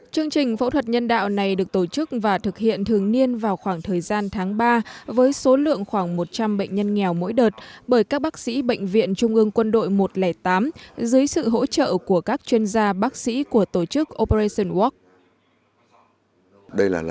chương trình phẫu thuật nhân đạo này được tổ chức và thực hiện thường niên vào khoảng thời gian tháng ba với số lượng khoảng một trăm linh bệnh nhân nghèo mỗi đợt bởi các bác sĩ bệnh viện trung ương quân đội một trăm linh tám dưới sự hỗ trợ của các chuyên gia bác sĩ của tổ chức operation walk